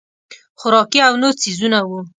خوراکي او نور څیزونه وو.